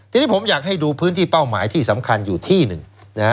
ทีนี้ผมอยากให้ดูพื้นที่เป้าหมายที่สำคัญอยู่ที่หนึ่งนะฮะ